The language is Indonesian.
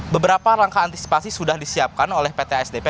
beberapa langkah antisipasi sudah disiapkan oleh pt asdp